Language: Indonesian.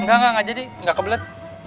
enggak enggak enggak jadi enggak kebelet